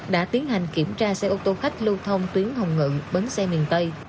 đã tiến hành kiểm tra xe ô tô khách lưu thông tuyến hồng ngự bến xe miền tây